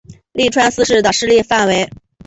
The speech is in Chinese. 麓川思氏的势力范围。